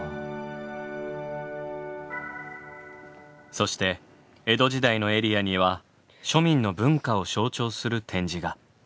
そして江戸時代のエリアには庶民の文化を象徴する展示が。